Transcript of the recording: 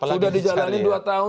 sudah dijalanin dua tahun